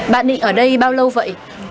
bạn định ở đây bao lâu vậy